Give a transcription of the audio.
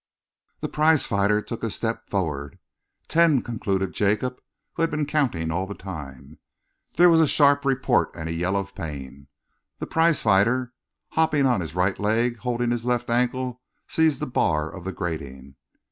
The prize fighter took a step forward. "... ten," concluded Jacob, who had been counting all the time. There was a sharp report and a yell of pain. The prize fighter, hopping on his right leg and holding his left ankle, seized a bar of the grating.